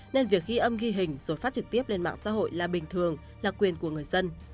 nên việc ghi âm ghi hình rồi phát trực tiếp lên mạng xã hội là bình thường là quyền của người dân